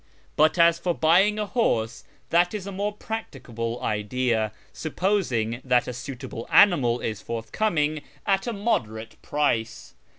But as for buying a horse, that is a more practicable idea, supposing that a suitable animal is forthcoming at a moderate price.